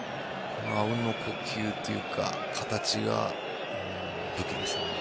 あうんの呼吸というかこの形が武器ですよね。